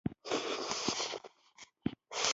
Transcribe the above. چې مهیندراپراتاپ او برکت الله یې مشري کوله.